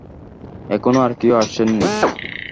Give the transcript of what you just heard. এখনো আর কেউ আসেন নি?